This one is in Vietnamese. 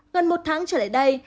gần một tháng trở lại đây